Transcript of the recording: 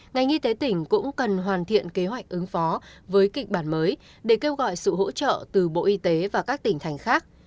ngành y tế tỉnh cũng cần hoàn thiện kế hoạch ứng phó với kịch bản mới để kêu gọi sự hỗ trợ từ bộ y tế và các tỉnh thành khác